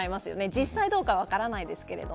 実際どうかは分からないですけど。